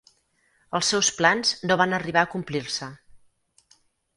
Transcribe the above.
Els seus plans no van arribar a complir-se.